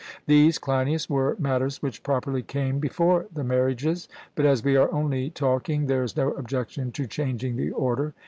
These, Cleinias, were matters which properly came before the marriages; but, as we are only talking, there is no objection to changing the order.